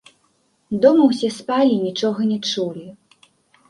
Дома ўсе спалі і нічога не чулі.